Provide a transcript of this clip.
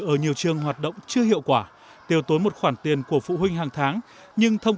ở nhiều trường hoạt động chưa hiệu quả tiêu tốn một khoản tiền của phụ huynh hàng tháng nhưng thông